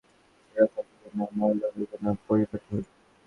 কিন্তু ভালবাসার পোশাক একটু ছেঁড়া থাকিবে না, ময়লা হইবে না, পরিপাটি হইবে।